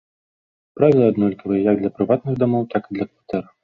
Правілы аднолькавыя, як для прыватных дамоў, так і для кватэр.